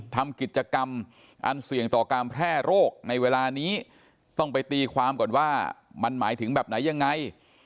ทำกิจกรรมอันเสี่ยงต่อการแพร่โรคในเวลานี้ต้องไปตีความก่อนว่ามันหมายถึงแบบไหนยังไง